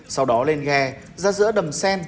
sau đó lên ghe ra giữa đầm sen